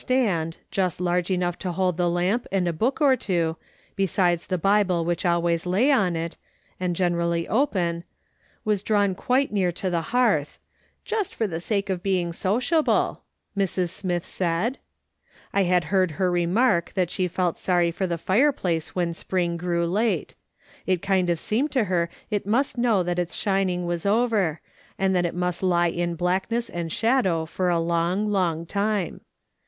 Stand, just larrje enout^h to liold the lamp and a book or two, besides the Lible wliich always lay on it, and generally open, was drawn (juite near to tho hearth, "just for the sake of being sociable," Mrs. Smith said. I had heard her remark that she felt sorry for the fireplace when spring grew late. It kind of seemed to her it must know that its shining was over, and that it must lie in blackness and shadow for a long, long time.